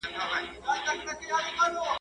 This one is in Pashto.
کرنه د انسان او حیوان ملګرتیا ده.